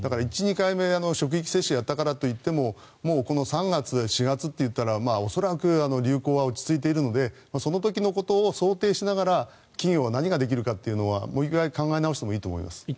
１、２回目で職域接種をやったからといってこの３月、４月といったら恐らく流行は落ち着いているのでその時のことを想定しながら企業が何ができるのかもう１回考え直してもいいと思います。